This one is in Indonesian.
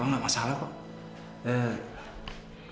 enggak masalah pak